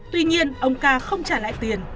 tuy nhiên ông ca không trả lại tiền